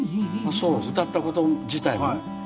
そう歌ったこと自体ね。